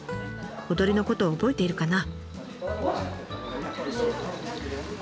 踊りのことを覚えているかな？